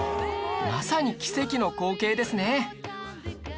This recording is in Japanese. まさに奇跡の光景ですね！